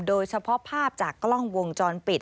โดยเฉพาะภาพจากกล้องวงจรปิด